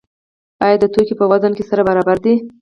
آیا دا توکي په وزن کې سره برابر دي؟